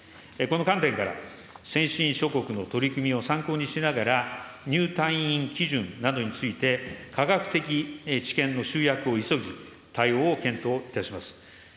この観点から、先進諸国の取り組みを参考にしながら、入退院基準などについて、科学的知見の集約を急ぎ、対応を検討いたします。